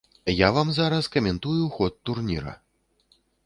Я вам зараз каментую ход турніра.